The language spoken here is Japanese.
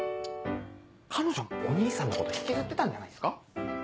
彼女もお義兄さんのこと引きずってたんじゃないすか？